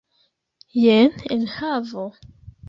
Jen la enhavo!